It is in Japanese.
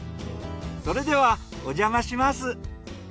それではおじゃまします。